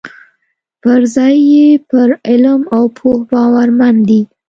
پر ځای یې پر علم او پوه باورمن دي.